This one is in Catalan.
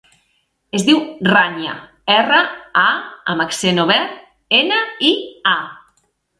Es diu Rània: erra, a amb accent obert, ena, i, a.